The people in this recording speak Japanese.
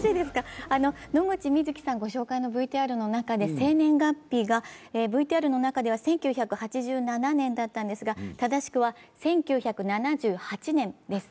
野口みずきさんのご紹介のＶＴＲの中で生年月日がＶＴＲの中では１９８７年だったんですが、正しくは１９７８年です。